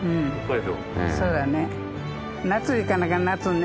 そうだね。